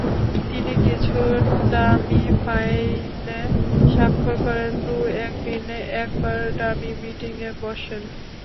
দিনে কিছু ডামি ফাইলে স্বাক্ষর করেন, দু-এক দিনে একবার ডামি মিটিংয়ে বসেন।